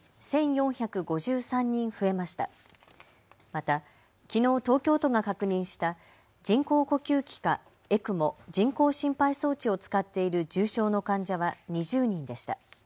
また、きのう東京都が確認した人工呼吸器かＥＣＭＯ・人工心肺装置を使っている重症の患者は２０人でした。